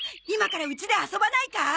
今からうちで遊ばないか？